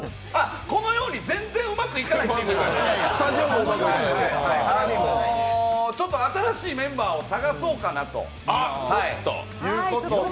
このように全然うまくいかないチームなので、新しいメンバーを探そうかなということで。